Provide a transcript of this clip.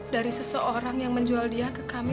dari seseorang yang menjual dia ke kami